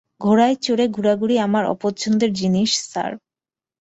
ঘোড়ায় চড়ে ঘুরাঘুরি আমার অপছন্দের জিনিস, স্যার।